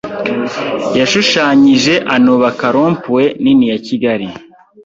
yashushanyije anubaka Rond-point nini ya Kigali